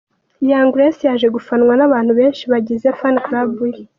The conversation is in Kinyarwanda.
Young grace yaje gufanwa n’abantu benshi bagize Fan Club ye.